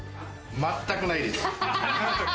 全くないです。